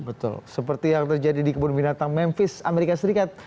betul seperti yang terjadi di kebun binatang memvis amerika serikat